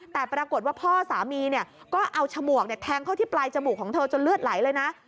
แต่ปรากฏว่าพ่อสามีก็เอาฉมวกแทงเข้าที่ปลายจมูกของเธอจนเลือดไหลเลยนะ